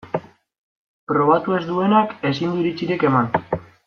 Probatu ez duenak ezin du iritzirik eman.